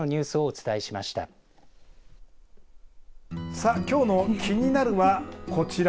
さあ、きょうのキニナル！はこちら。